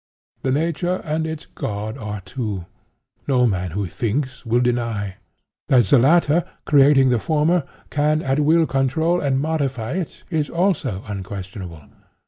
That Nature and its God are two, no man who thinks, will deny. That the latter, creating the former, can, at will, control or modify it, is also unquestionable.